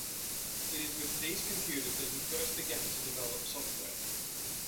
It is with these computers that he first began to develop software.